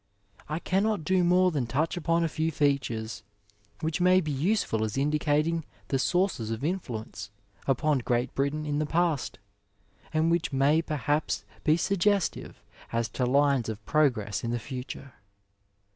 I cannot do more than touch upon a few features, which may be useful as indicating the sources of influence upon Great Britain in the past, and which may perhaps be suggestive as to lines of progress in the future.